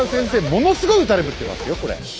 ものすごい撃たれてますよこれ。